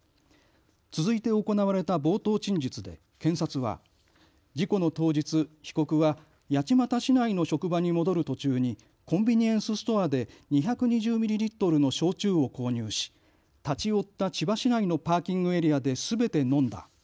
続いて行われた冒頭陳述で検察は事故の当日、被告は八街市内の職場に戻る途中にコンビニエンスストアで２２０ミリリットルの焼酎を購入し立ち寄った千葉市内のパーキングエリアですべて飲んだ。